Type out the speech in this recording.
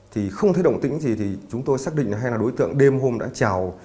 thì không thấy động tĩnh gì thì chúng tôi xác định hay là đối tượng đêm hôm đã trào